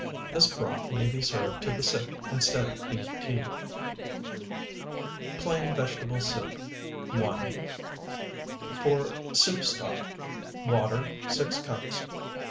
This broth may be served to the sick instead of beef tea. PLAIN VEGETABLE SOUP (1) For soup stock. Water, 6 cups.